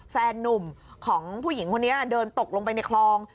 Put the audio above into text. แฟนนุ่มของผู้หญิงคนนี้เดินตกลงไปในคลอง